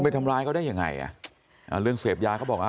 ทำร้ายเขาได้ยังไงอ่ะอ่าเรื่องเสพยาเขาบอกอ่ะ